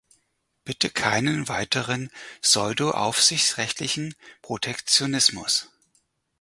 Bitte keinen weiteren pseudo-aufsichtsrechtlichen Protektionismus!